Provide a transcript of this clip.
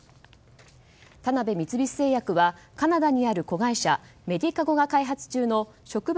田辺三菱製薬はカナダにある子会社メディカゴが開発中の植物